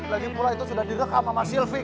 lagi mula itu sudah di rekam sama sylvie